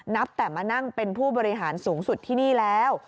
นับแต่มานั่งเป็นผู้บริหารสูงสุดที่นี่แล้ว